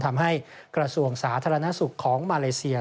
กระทรวงสาธารณสุขของมาเลเซีย